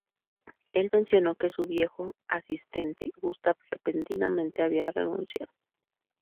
El mencionó que su viejo asistente, Gustav, repentinamente había renunciado.